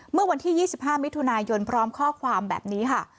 เมื่อวันที่๒๕มิถุนายนพร้อมข้อความแบบนี้ค่ะ